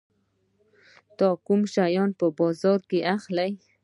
ته کوم شیان په بازار کې اخلي؟